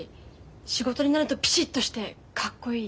仕事になるとピシッとしてかっこいい。